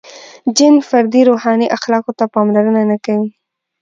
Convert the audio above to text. • جن فردي روحاني اخلاقو ته پاملرنه نهکوي.